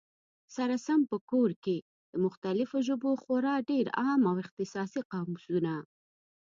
سره سم په کور کي، د مختلفو ژبو خورا ډېر عام او اختصاصي قاموسونه